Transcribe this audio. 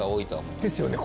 ですよね。